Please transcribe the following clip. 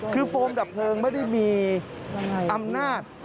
คือโฟมดับเพลิงไม่ได้มีอำนาจ